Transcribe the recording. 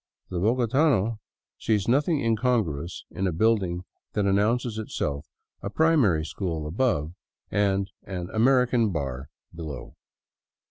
The bogotano sees nothing incongruous in a building that announces Itself a "Primary School" above and an "American Bar'* below.